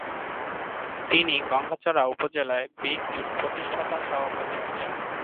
তিনি গংগাচড়া উপজেলার বিএনপির প্রতিষ্ঠাতা সভাপতি ছিলেন।